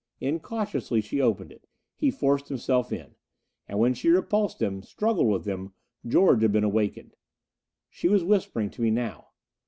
Incautiously she opened it; he forced himself in. And when she repulsed him, struggled with him, George had been awakened. She was whispering to me now.